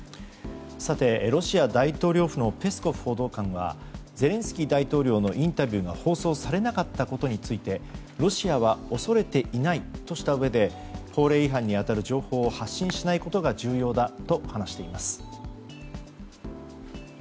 ロシア大統領府のペスコフ報道官はゼレンスキー大統領のインタビューが放送されなかったことについてロシアは恐れていないとしたうえで法令違反に当たる情報を発信しないことが重要だと話しています。